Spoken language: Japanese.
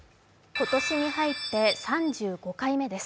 今年に入って３５回目です。